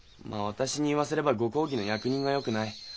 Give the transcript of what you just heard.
まあ私に言わせればご公儀の役人がよくない。